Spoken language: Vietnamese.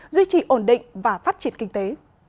duy trì ổn định và phát triển kinh tế